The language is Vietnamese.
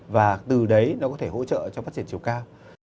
và từ đấy nó có thể hỗ trợ cho phát triển chiều cao